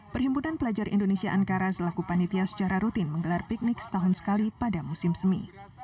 perhimpunan pelajar indonesia ankara selaku panitia secara rutin menggelar piknik setahun sekali pada musim semi